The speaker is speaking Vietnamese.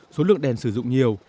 số lượng đèn sử dụng nhiều